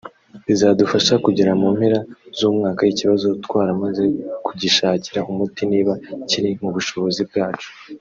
bizadufasha kugera mu mpera z’umwaka ikibazo twaramaze kugishakira umuti niba kiri mu bushobozi bwacu